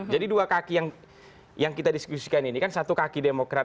jadi dua kaki yang kita diskusikan ini kan satu kaki demokrat